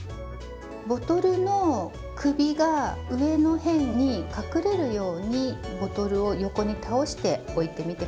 ボトルの首が上の辺に隠れるようにボトルを横に倒して置いてみて下さい。